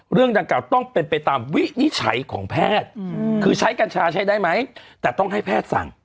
เรื่องดังกล่าต้องเป็นไปตามวินิจฉัยของแพทย์คือใช้กัญชาใช้ได้ไหมแต่ต้องให้แพทย์สั่ง